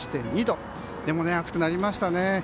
でも、暑くなりましたね。